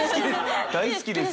好きです。